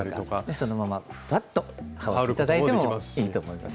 そのままふわっとはおって頂いてもいいと思います。